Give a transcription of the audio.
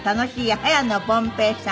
早野凡平さん。